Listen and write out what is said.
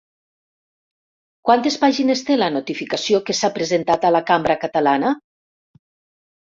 Quantes pàgines té la notificació que s'ha presentat a la cambra catalana?